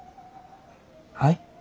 はい？